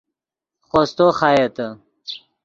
خوستو خایتے